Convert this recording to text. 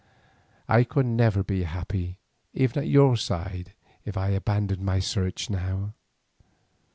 I could never be happy even at your side if I abandoned my search now.